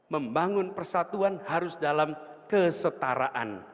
membangun persatuan harus dalam kesetaraan